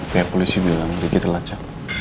pihak polisi bilang riki telaca